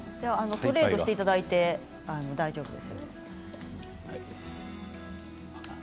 トレードしていただいて大丈夫です。